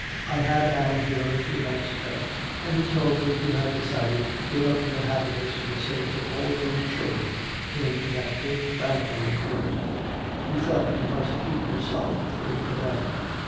"I had Allan here a few nights ago, and he told me you had decided to give up your happiness for the sake of all those children in that big family of yours. You felt you must keep yourself free for them.